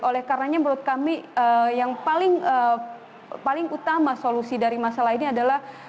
oleh karenanya menurut kami yang paling utama solusi dari masalah ini adalah